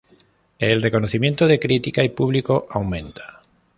El reconocimiento de crítica y público aumenta.